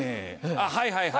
はいはいはい。